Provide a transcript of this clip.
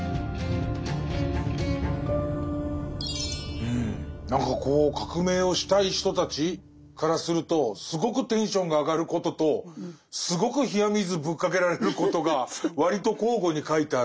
うん何かこう革命をしたい人たちからするとすごくテンションが上がることとすごく冷や水ぶっかけられることが割と交互に書いてある。